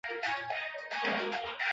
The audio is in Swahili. Mwanaume huyo ni mpole sana